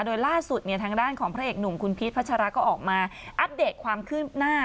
โดยล่าสุดทางด้านของพระเอกหนุ่มคุณพีชพัชราก็ออกมาอัปเดตความคืบหน้า